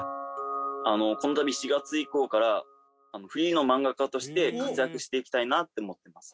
このたび４月以降からフリーの漫画家として活躍していきたいなって思ってます。